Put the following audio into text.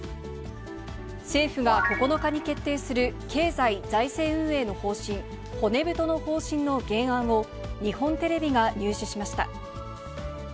政府が９日に決定する経済財政運営の方針、骨太の方針の原案を、日本テレビが入手しました。